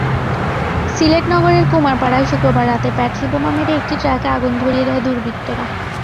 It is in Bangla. সিলেট নগরের কুমারপাড়ায় শুক্রবার রাতে পেট্রলবোমা মেরে একটি ট্রাকে আগুন ধরিয়ে দেয় দুর্বৃত্তরা।